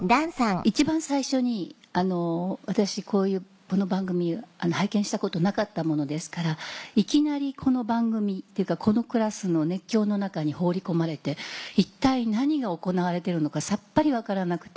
一番最初に私この番組拝見したことなかったものですからいきなりこの番組っていうかこのクラスの熱狂の中に放り込まれて一体何が行われているのかさっぱり分からなくて。